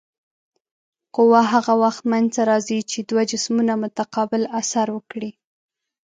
قوه هغه وخت منځته راځي چې دوه جسمونه متقابل اثر وکړي.